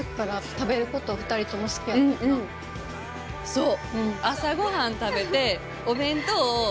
そう！